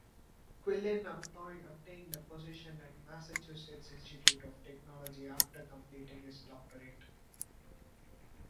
Quillen obtained a position at the Massachusetts Institute of Technology after completing his doctorate.